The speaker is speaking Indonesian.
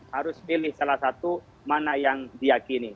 harus pilih salah satu mana yang diakini